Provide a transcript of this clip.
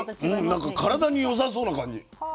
なんか体によさそうな感じ。は。